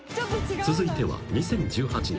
［続いては２０１８年。